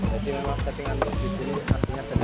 tapi memang kepingan disini asinnya sedang